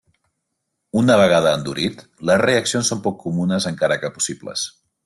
Una vegada endurit, les reaccions són poc comunes encara que possibles.